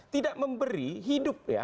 tidak memberi hidup ya